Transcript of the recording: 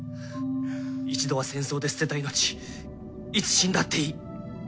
一度は戦争で捨てた命いつ死んだっていい。